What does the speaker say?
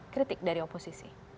kritik dari oposisi